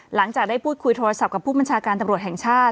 หลังจากได้พูดคุยโทรศัพท์กับผู้บัญชาการตำรวจแห่งชาติ